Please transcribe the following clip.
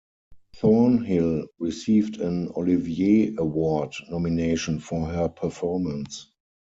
Thornhill received an Olivier Award nomination for her performance.